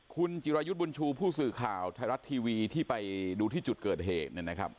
คุณจิรายุทธ์บุญชูผู้สื่อข่าวทายลัทร์ทีวีที่ไปดูที่จุดเกิดเหตุ